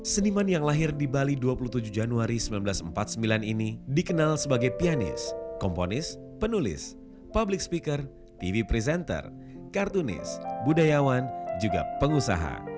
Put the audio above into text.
seniman yang lahir di bali dua puluh tujuh januari seribu sembilan ratus empat puluh sembilan ini dikenal sebagai pianis komponis penulis public speaker tv presenter kartunis budayawan juga pengusaha